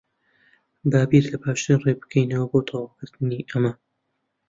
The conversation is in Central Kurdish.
با بیر لە باشترین ڕێ بکەینەوە بۆ تەواوکردنی ئەمە.